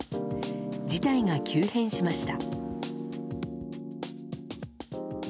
事態が急変しました。